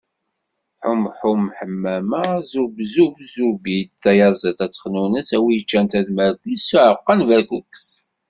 Ḥum ḥum, Ḥemmama. Zub zub, Zubid. Tayaziḍt ad texnunes, a wi ččan tadmert-ines, s uɛeqqa n berkukes.